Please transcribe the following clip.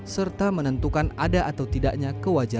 serta menentukan ada atau tidaknya kewajiban